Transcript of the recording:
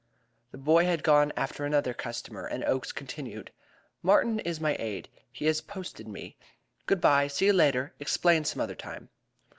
The boy had gone after another customer, and Oakes continued: "Martin is my aide; he has posted me. Good by! See you later. Explain some other time."